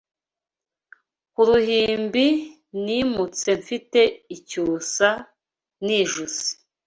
Ku ruhimbi nimutse Mfite icyusa nijuse